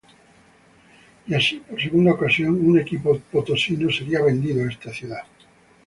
Y así por segunda ocasión un equipo potosino seria vendido a esta ciudad.